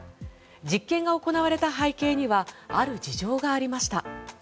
実験が行われた背景にはある事情がありました。